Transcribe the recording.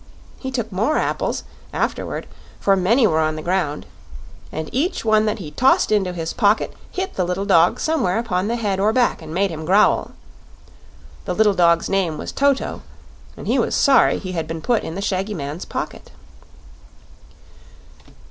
He took more apples, afterward, for many were on the ground; and each one that he tossed into his pocket hit the little dog somewhere upon the head or back, and made him growl. The little dog's name was Toto, and he was sorry he had been put in the shaggy man's pocket.